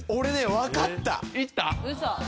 分かった。